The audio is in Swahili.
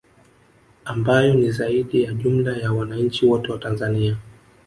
Ambayo ni zaidi ya jumla ya wananchi wote wa Tanzania